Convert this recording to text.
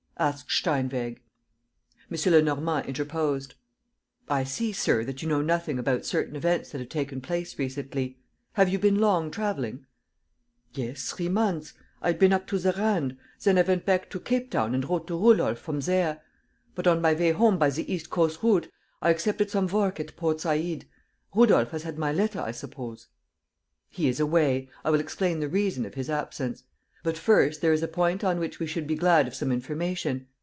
asked Steinweg. M. Lenormand interposed: "I see, sir, that you know nothing about certain events that have taken place recently. Have you been long travelling?" "Yes, three months. ... I had been up to the Rand. Then I went back to Capetown and wrote to Rudolf from there. But, on my way home by the East Coast route, I accepted some work at Port Said. Rudolf has had my letter, I suppose?" "He is away. I will explain the reason of his absence. But, first, there is a point on which we should be glad of some information.